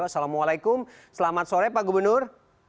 assalamualaikum selamat sore pak gubernur